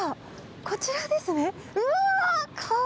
こちらですね。